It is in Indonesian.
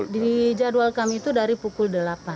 di jadwal kami itu dari pukul delapan